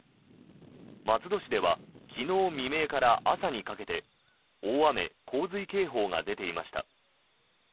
松戸市では昨日未明から朝にかけて大雨・洪水警報が出ていました。